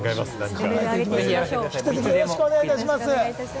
一つ、よろしくお願いいたします。